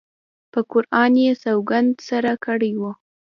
په قرآن یې سوګند سره کړی وو.